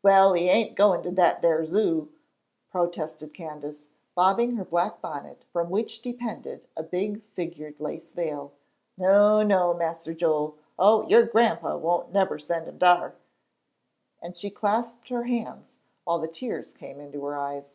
"Well, he ain' goin' to dat ar Zoo," protested Candace, bobbing her black bonnet, from which depended a big figured lace veil. "No, no, Mas'r Joel! Oh, your Grandpa won't neber send him dar," and she clasped her hands, while the tears came into her eyes.